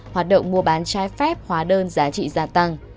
hoạt động mua bán trái phép hóa đơn giá trị gia tăng